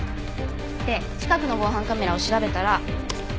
で近くの防犯カメラを調べたら。